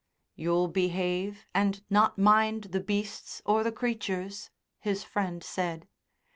"You'll behave, and not mind the beasts or the creatures?" his friend said.